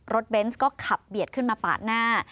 เบนส์ก็ขับเบียดขึ้นมาปาดหน้า